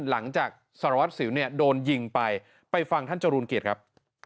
หลังจากสารวัตรสิวโดนยิงไปไปฟังท่านจรูลเกลียดครับ